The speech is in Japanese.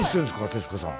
徹子さん